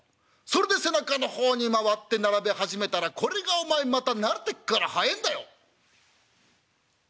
それで背中の方に回って並べ始めたらこれがお前また慣れてっから速えんだよ」。